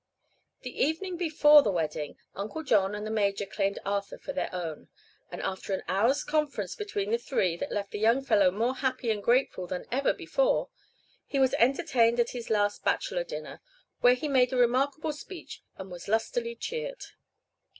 The evening before the wedding Uncle John and the Major claimed Arthur for their own, and after an hour's conference between the three that left the young fellow more happy and grateful than ever before, he was entertained at his last "bachelor dinner," where he made a remarkable speech and was lustily cheered.